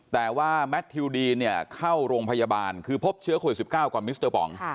แต่ว่าแมททิวดีนเนี่ยเข้าโรงพยาบาลคือพบเชื้อโควิด๑๙ก่อนมิสเตอร์ป๋อง